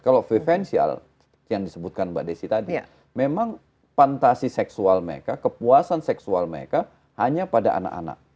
kalau kekerasan seksual yang disebutkan mbak desy tadi memang pantasi seksual mereka kepuasan seksual mereka hanya pada anak anak